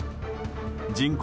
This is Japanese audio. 人口